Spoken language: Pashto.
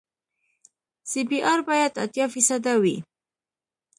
سی بي ار باید اتیا فیصده وي